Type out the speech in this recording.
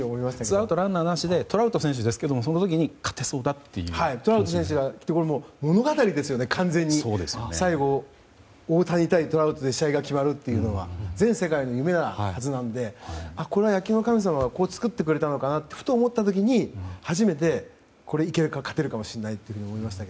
ツーアウトランナーなしでトラウト選手ですけどトラウト選手って物語ですよね、大谷対トラウトで試合が決まるというのは全世界の夢のはずなのでこれは野球の神様が作ってくれたのかなとふと思った時に初めて勝てるかもしれないと思いました。